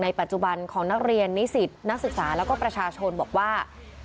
ปัจจุบันของนักเรียนนิสิตนักศึกษาแล้วก็ประชาชนบอกว่า